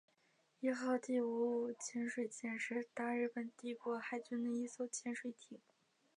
伊号第五五潜水舰是大日本帝国海军的一艘潜水艇。